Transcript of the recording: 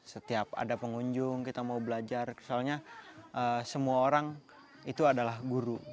setiap ada pengunjung kita mau belajar soalnya semua orang itu adalah guru